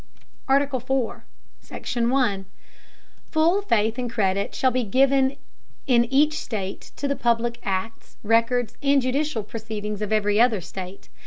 ARTICLE. IV. SECTION. 1. Full Faith and Credit shall be given in each State to the public Acts, Records, and judicial Proceedings of every other State.